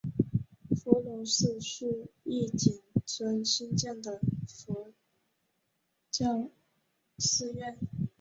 伏龙寺是义井村兴建的佛教寺院。